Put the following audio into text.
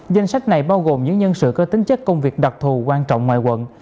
danh sách này bao gồm những nhân sự có tính chất công việc đặc thù quan trọng ngoài quận